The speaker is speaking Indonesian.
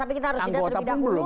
tapi kita harus jenah terpidah dulu